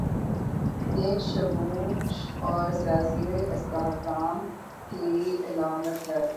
نیک شگون اور سیاسی استحکام کی علامت ہے۔